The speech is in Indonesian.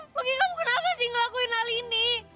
pergi kamu kenapa sih ngelakuin hal ini